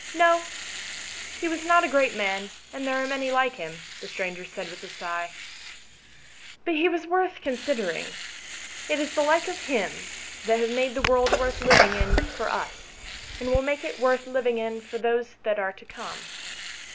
" No, he was not a great man, and there are many like him," the stranger said with a sigh. " But he was worth considering ; it is the like of him that have made the world worth living in for us, and will make it worth living in for those that are to come.